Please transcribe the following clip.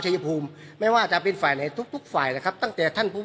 ชายภูมิไม่ว่าจะเป็นฝ่ายไหนทุกทุกฝ่ายนะครับตั้งแต่ท่านภูมิ